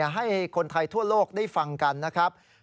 ให้คนไทยทั่วโลกได้ฟังกันนะครับ